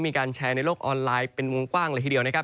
มีการแชร์ในโลกออนไลน์เป็นวงกว้างเลยทีเดียวนะครับ